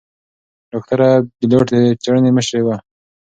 ډاکتره بېلوت د څېړنې مشرې وه.